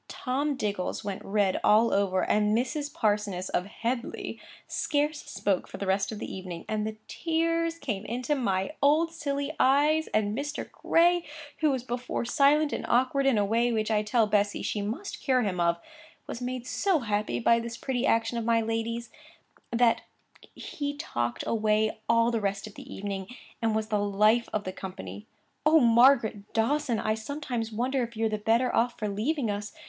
Tom Diggles went red all over; and Mrs. Parsoness of Headleigh scarce spoke for the rest of the evening; and the tears came into my old silly eyes; and Mr. Gray, who was before silent and awkward in a way which I tell Bessy she must cure him of, was made so happy by this pretty action of my lady's, that he talked away all the rest of the evening, and was the life of the company. 'Oh, Margaret Dawson! I sometimes wonder if you're the better off for leaving us.